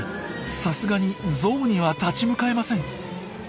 さすがにゾウには立ち向かえません。